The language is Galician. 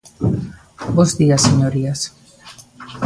Bos días, señorías.